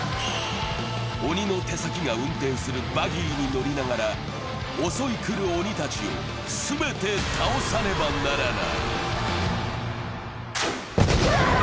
鬼の手先が運転するバギーに乗りながら襲い来る鬼たちを全て倒さねばならない。